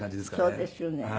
そうですよね。